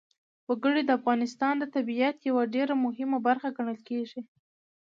وګړي د افغانستان د طبیعت یوه ډېره مهمه برخه ګڼل کېږي.